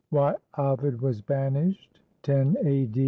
WHY OVID WAS BANISHED [lO A.